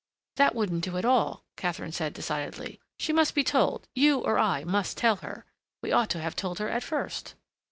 "That wouldn't do at all," Katharine said decidedly. "She must be told—you or I must tell her. We ought to have told her at first."